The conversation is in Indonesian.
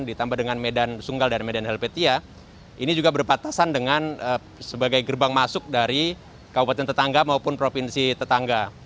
ditambah dengan medan sunggal dan medan helvetia ini juga berpatasan dengan sebagai gerbang masuk dari kabupaten tetangga maupun provinsi tetangga